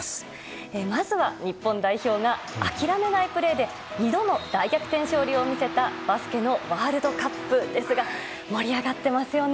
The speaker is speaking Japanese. まずは、日本代表が諦めないプレーで２度の大逆転勝利を見せたバスケのワールドカップですが盛り上がってますよね。